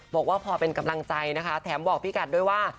บอกว่าพอเป็นกำลังใจนะคะแถมบอกพี่กัดด้วยว่า